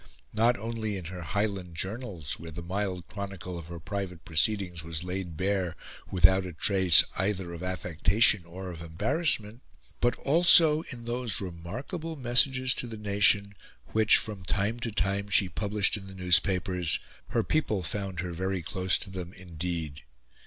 Not only in her "Highland Journals" where the mild chronicle of her private proceedings was laid bare without a trace either of affectation or of embarrassment, but also in those remarkable messages to the nation which, from time to time, she published in the newspapers, her people found her very close to them indeed.